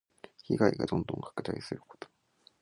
被害がだんだん拡大すること。